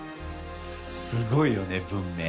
すごいよね文明。